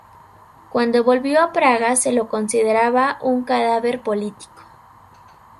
Cuando volvió a Praga se lo consideraba un cadáver político.